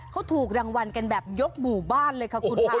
เขาถูกรางวัลกันแบบยกหมู่บ้านเลยค่ะคุณค่ะ